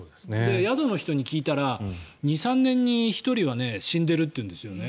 宿の人に聞いたら２３年に１人は死んでるっていうんですよね。